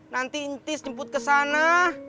nanti tis jemput kesana